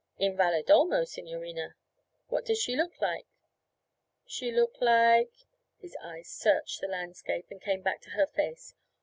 'In Valedolmo, signorina.' 'What does she look like?' 'She look like ' His eyes searched the landscape and came back to her face.